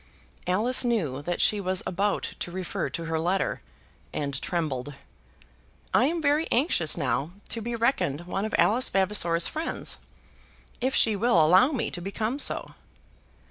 Alice knew that she was about to refer to her letter, and trembled. "I am very anxious now to be reckoned one of Alice Vavasor's friends, if she will allow me to become so."